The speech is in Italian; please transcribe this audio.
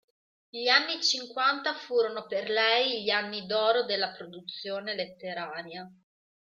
Gli anni cinquanta furono per lei "gli anni d'oro della produzione letteraria".